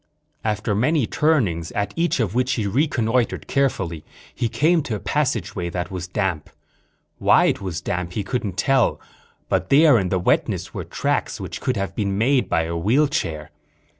After many turnings, at each of which he reconnoitered carefully, he came to a passageway that was damp. Why it was damp he couldn't tell, but there in the wetness were tracks which could have been made by a wheelchair.